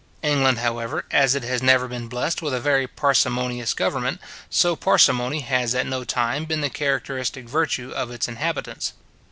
England, however, as it has never been blessed with a very parsimonious government, so parsimony has at no time been the characteristic virtue of its inhabitants.